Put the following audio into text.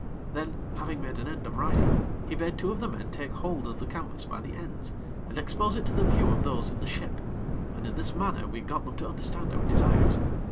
Then, having made an end of writing, he bade two of the men take hold of the canvas by the ends and expose it to the view of those in the ship, and in this manner we got them to understand our desires.